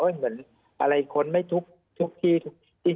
เอ้ยเหมือนอะไรค้นไม่ทุกข์ทุกที่